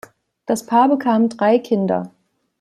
Das Paar bekam drei Kinder.